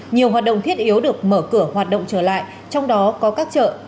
nhiều hoạt động thiết yếu được mở cửa hoạt động trở lại trong đó có các chợ